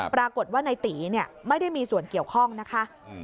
ปรากฏว่าในตีไม่ได้มีส่วนเกี่ยวข้องนะคะ